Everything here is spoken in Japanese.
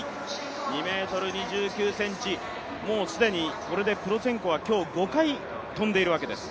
２ｍ２９ｃｍ、もう既にポロシェンコは５回跳んでいるわけです。